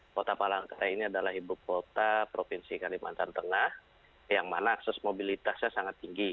kota palangkaraya ini adalah ibu kota provinsi kalimantan tengah yang mana akses mobilitasnya sangat tinggi